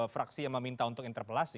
fraksi yang meminta untuk interpelasi